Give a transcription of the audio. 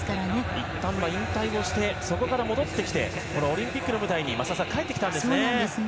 いったんは引退をして、そこから戻ってきてこのオリンピックの舞台に増田さん、帰ってきたんですね。